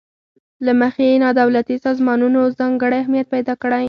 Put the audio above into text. له مخې یې نا دولتي سازمانونو ځانګړی اهمیت پیداکړی.